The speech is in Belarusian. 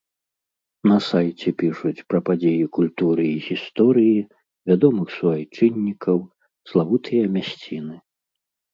На сайце пішуць пра падзеі культуры і гісторыі, вядомых суайчыннікаў, славутыя мясціны.